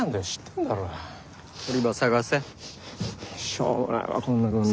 しょうもないわこんな訓練。